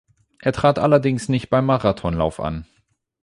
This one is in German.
Er trat allerdings nicht beim Marathonlauf an.